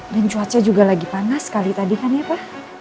dan cuacanya juga lagi panas sekali tadi kan ya pa